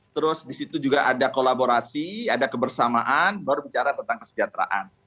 terus di situ juga ada kolaborasi ada kebersamaan baru bicara tentang kesejahteraan